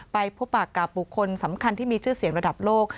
ไปพบปากกับบุคคลสำคัญที่มีชื่อเสียงระดับโลก